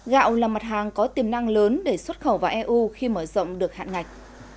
gạo là mặt hàng có tiềm năng lớn để xuất khẩu vào eu khi mở rộng được hạn ngạch